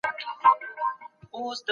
ځینې درمل د ډاکتر له نسخې پرته موندل کېږي.